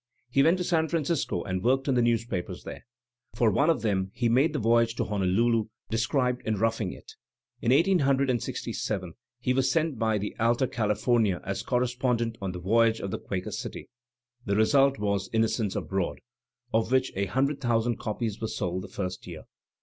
He went to San Francisco and worked on the newspapers there. For one of them he made the voyage to Honolulu described in '"Roughing It." In 1867 he was sent by the AUa California as correspondent on the voyage of the Qitaker City; the result was "Innocents Abroad," of which a hundred thousand copies were sold the first year.